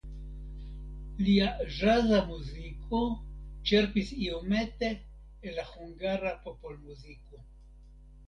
Lia ĵaza muziko ĉerpis iomete el la hungara popolmuziko.